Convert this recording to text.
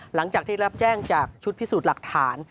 หลังจากที่รับแจ้งจากชุดพิสูจน์หลักฐาน